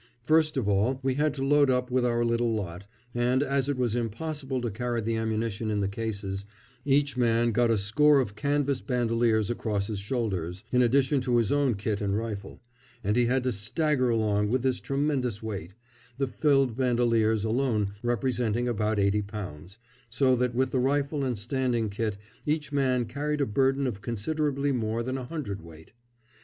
First of all we had to load up with our little lot, and, as it was impossible to carry the ammunition in the cases, each man got a score of canvas bandoliers across his shoulders, in addition to his own kit and rifle, and he had to stagger along with this tremendous weight, the filled bandoliers alone representing about eighty pounds; so that with the rifle and standing kit each man carried a burden of considerably more than a hundredweight.